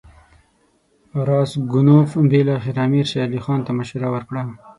راسګونوف بالاخره امیر شېر علي خان ته مشوره ورکړه.